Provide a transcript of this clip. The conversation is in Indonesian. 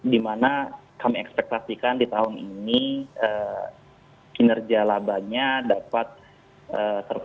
di mana kami ekspektasikan di tahun ini kinerja labanya dapat terpapar